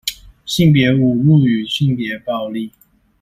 性別侮辱與性別暴力